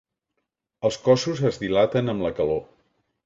Els cossos es dilaten amb la calor.